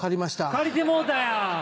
借りてもうたんや！